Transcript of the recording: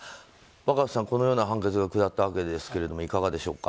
若狭さん、このような判決が下ったわけですがいかがですか。